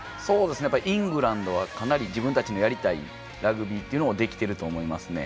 イングランドはかなり自分たちのやりたいラグビーっていうのができていると思いますね。